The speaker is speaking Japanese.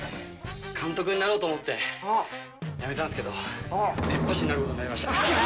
監督になろうと思って、辞めたんですけど、熱波師になることになりました。